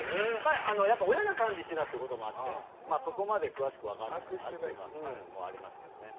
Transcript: やっぱり親が管理してたってこともあってそこまで詳しく分からないっていうのもありますけどね。